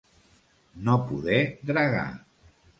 No poder dragar.